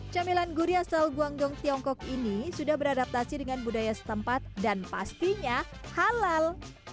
camilan guri asal guangdong tiongkok ini sudah beradaptasi dengan budaya setempat dan pastinya halal